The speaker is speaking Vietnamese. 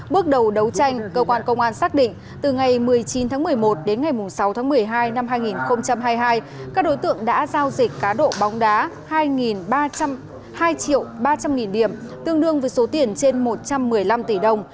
bước đầu đấu tranh cơ quan công an xác định từ ngày một mươi chín tháng một mươi một đến ngày sáu tháng một mươi hai năm hai nghìn hai mươi hai các đối tượng đã giao dịch cá độ bóng đá hai ba trăm linh nghìn điểm tương đương với số tiền trên một trăm một mươi năm tỷ đồng